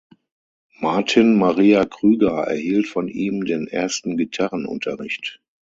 Martin Maria Krüger erhielt von ihm den ersten Gitarrenunterricht.